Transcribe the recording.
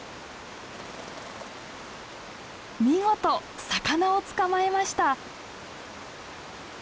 見事魚を捕まえました。